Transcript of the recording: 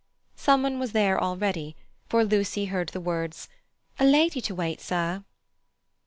Some one was there already, for Lucy heard the words: "A lady to wait, sir."